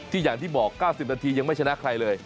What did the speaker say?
อย่างที่บอก๙๐นาทียังไม่ชนะใครเลย